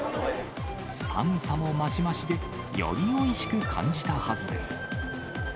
寒さも増し増しで、よりおいしく感じたはずです。